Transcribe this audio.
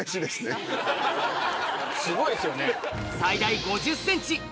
すごいですよね。